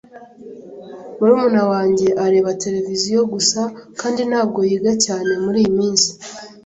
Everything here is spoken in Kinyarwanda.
Murumuna wanjye areba televiziyo gusa kandi ntabwo yiga cyane muriyi minsi.